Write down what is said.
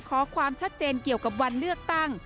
ขอความชัดเจนเกี่ยวกับวันเลือกตั้ง